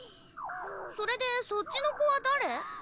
それでそっちの子は誰？